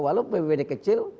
walaupun bpd kecil